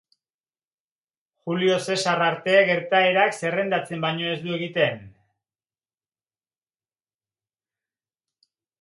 Julio Zesar arte, gertaerak zerrendatzen baino ez du egiten.